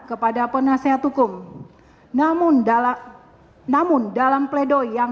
hai kepada penasehat hukum namun dalam namun dalam pleidoy yang